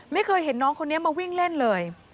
ไม่เคยเห็นน้องคนนี้มาวิ่งเล่นเลย